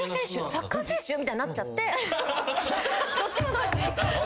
サッカー選手？みたいになっちゃって。